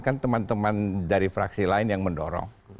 kan teman teman dari fraksi lain yang mendorong